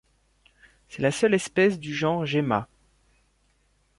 C'est la seule espèce du genre Gemma.